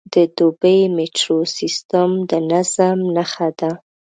د دوبی میټرو سیستم د نظم نښه ده.